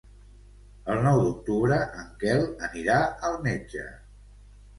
El nou d'octubre en Quel anirà al metge.